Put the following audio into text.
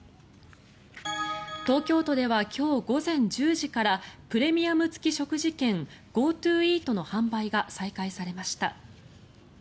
東京都では今日午前１０時からプレミアム付き食事券ＧｏＴｏイートの販売が再開されました。